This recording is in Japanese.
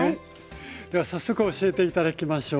では早速教えて頂きましょう。